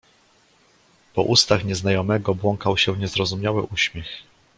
"Po ustach nieznajomego błąkał się niezrozumiały uśmiech."